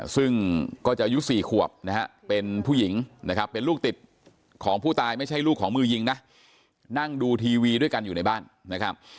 ซึ่งก็จะอายุ๔ขวบนะฮะเป็นผู้หญิงนะครับเป็นลูกติดของผู้ตายไม่ใช่ลูกของมือยิงนะนั่งดูทีวีด้วยกันอยู่ในบ้านนะครับ